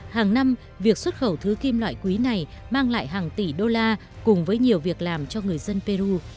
hàng năm việc xuất khẩu thứ kim loại quý này mang lại hàng tỷ đô la cùng với nhiều việc làm cho người dân peru